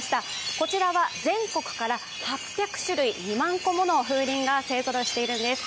こちらは、全国から８００種類２万個もの風鈴が勢ぞろいしているんです。